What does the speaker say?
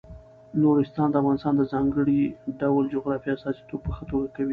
نورستان د افغانستان د ځانګړي ډول جغرافیې استازیتوب په ښه توګه کوي.